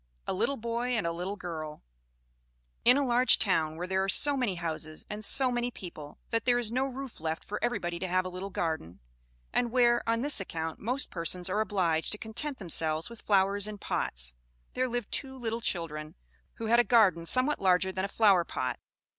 A Little Boy and a Little Girl In a large town, where there are so many houses, and so many people, that there is no roof left for everybody to have a little garden; and where, on this account, most persons are obliged to content themselves with flowers in pots; there lived two little children, who had a garden somewhat larger than a flower pot.